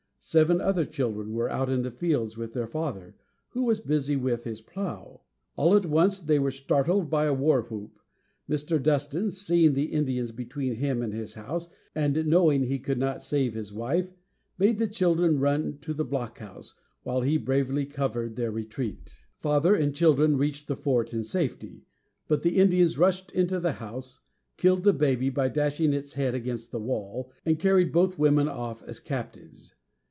Seven other children were out in the fields with their father, who was busy with his plow. All at once, they were startled by a war whoop. Mr. Dustin, seeing the Indians between him and his house, and knowing he could not save his wife, bade the children run to the blockhouse, while he bravely covered their retreat. [Illustration: Mr. Dustin defending his Children.] Father and children reached the fort in safety; but the Indians rushed into the house, killed the baby by dashing its head against the wall, and carried both women off as captives.